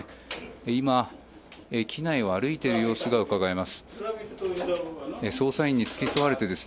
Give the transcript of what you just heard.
今、機内を歩いている様子がうかがえます。